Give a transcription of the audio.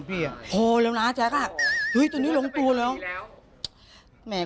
พอแล้วนะแจ็คตอนนี้หลงตัวแล้ว